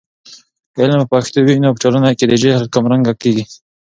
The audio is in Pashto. که علم په پښتو وي، نو په ټولنه کې د جهل کمرنګه کیږي.